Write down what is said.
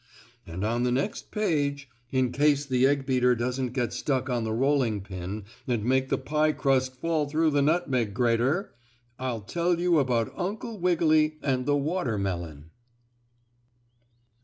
And on the next page, in case the egg beater doesn't get stuck on the rolling pin and make the pie crust fall through the nutmeg grater, I'll tell you about Uncle Wiggily and the watermelon.